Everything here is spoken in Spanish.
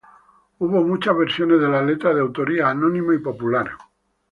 Hubo muchas versiones de la letra de autoría anónima y popular.